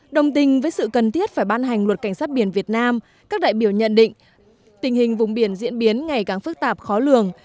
đồng tình với sự cần thiết phải ban hành luật cảnh sát biển việt nam các đại biểu nhận định tình hình vùng biển diễn biến ngày càng phức tạp khó lường